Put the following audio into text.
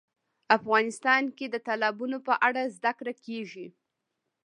افغانستان کې د تالابونو په اړه زده کړه کېږي.